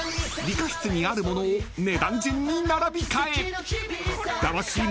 ［理科室にあるものを値段順に並び替え］